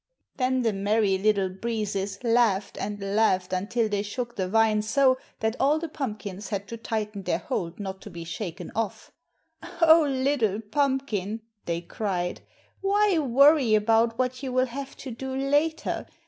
Then the merry little breezes laughed and laughed until they shook the vine so that all the pumpkins had to tighten their hold not to be shaken off. "Oh, little pumpkin!" they cried, "why worry about what you will have to do later?